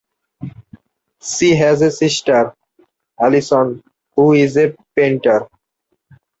She has a sister, Alison, who is a painter.